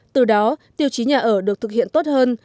từ đó tiêu chí nhà ở được thực hiện tốt hơn